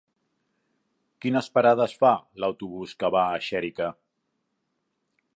Quines parades fa l'autobús que va a Xèrica?